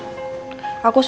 aku mau kemana